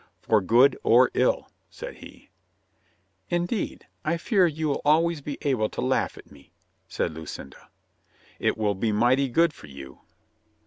"For good or ill," said he. "Indeed, I fear you'll always be able to laugh at me," said Lucinda. "It will be mighty good for you."